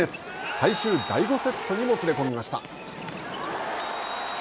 最終第５セットにもつれ込みました。